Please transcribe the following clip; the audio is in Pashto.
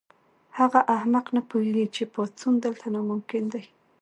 هغه احمق نه پوهیږي چې پاڅون دلته ناممکن دی